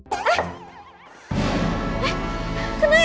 eh kena ya